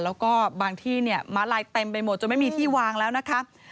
แล้วก็บางที่เนี่ยม้าลายเต็มไปหมดจนไม่มีที่วางแล้วนะคะ